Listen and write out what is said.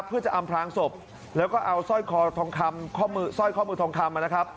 เพื่อจะอำพล้างศพแล้วก็เอาสร้อยข้อมือทองคำมานะครับ